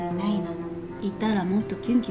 いたらもっとキュンキュンしてるわ。